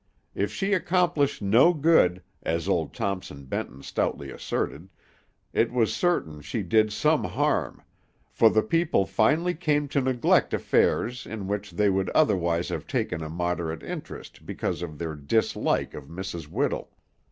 If she accomplished no good, as old Thompson Benton stoutly asserted, it was certain she did some harm, for the people finally came to neglect affairs in which they would otherwise have taken a moderate interest because of their dislike of Mrs. Whittle.